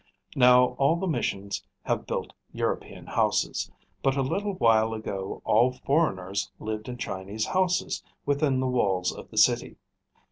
] Now all the missions have built European houses; but a little while ago all foreigners lived in Chinese houses within the walls of the city.